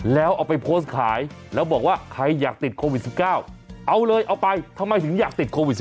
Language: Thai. แล้วเอาไปโพสต์ขายแล้วบอกว่าใครอยากติดโควิด๑๙เอาเลยเอาไปทำไมถึงอยากติดโควิด๑๙